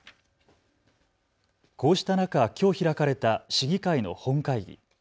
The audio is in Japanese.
こうした中、きょう開かれた市議会の本会議。